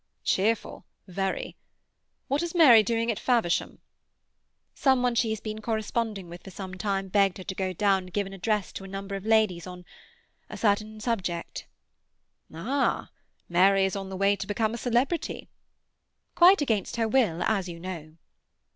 "Cheerful, very. What is Mary doing at Faversham?" "Some one she has been corresponding with for some time begged her to go down and give an address to a number of ladies on—a certain subject." "Ah! Mary is on the way to become a celebrity." "Quite against her will, as you know."